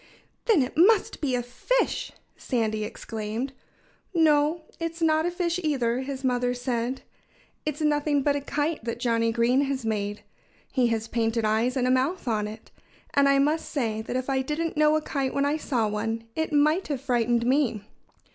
"Then it must be a fish!" Sandy exclaimed. "No! It's not a fish, either," his mother said. "It's nothing but a kite that Johnnie Green has made. He has painted eyes and a mouth on it. And I must say that if I didn't know a kite when I saw one it might have frightened me."